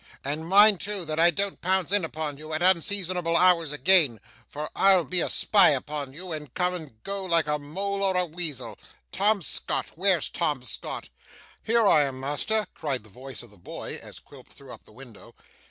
And mind too that I don't pounce in upon you at unseasonable hours again, for I'll be a spy upon you, and come and go like a mole or a weazel. Tom Scott where's Tom Scott?' 'Here I am, master,' cried the voice of the boy, as Quilp threw up the window.